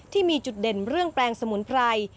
ที่มีจุดเด่นเรื่องแปลงสมุนไพร